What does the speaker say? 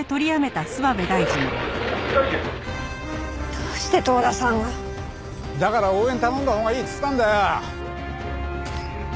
「」どうして遠田さんが？だから応援頼んだほうがいいっつったんだよ！